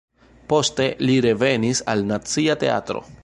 Poste li revenis al Nacia Teatro.